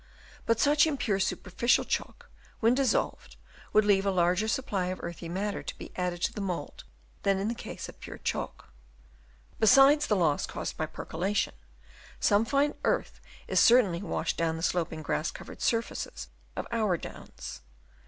But such impure superficial chalk, when dissolved, would leave a larger supply of earthy matter to be added to the mould than in the case of pure chalk. Besides the loss caused by percola tion, some fine earth is certainly washed down the sloping grass covered surfaces ot our Downs.